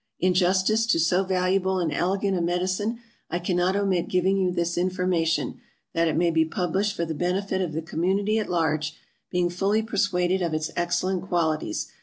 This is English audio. In justice to so valuable and elegant a medicine, I cannot omit giving you this information, that it may be published for the benefit of the community at large, being fully persuaded of its excellent qualities.